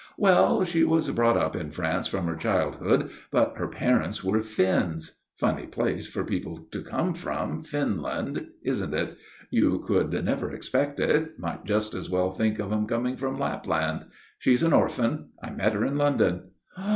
"Well, she was brought up in France from her childhood, but her parents were Finns. Funny place for people to come from Finland isn't it? You could never expect it might just as well think of 'em coming from Lapland. She's an orphan. I met her in London."